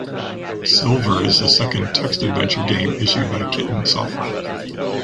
Silver is the second text adventure game issued by Kitten Software.